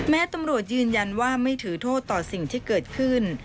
ตำรวจยืนยันว่าไม่ถือโทษต่อสิ่งที่เกิดขึ้น